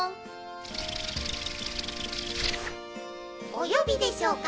お呼びでしょうか。